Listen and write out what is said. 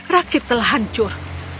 rakit telah hancur